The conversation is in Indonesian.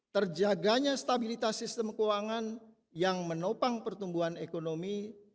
terjaganya stabilitas sistem keuangan yang menopang pertumbuhan ekonomi